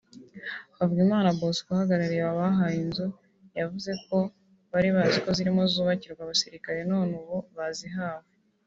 Havugimana Bosco uhagarariye abahawe inzu yavuze ko bari bazi ko zirimo zubakirwa abasirikare none ubu bazihawe